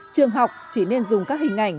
trường học chỉ nên dùng các hình ảnh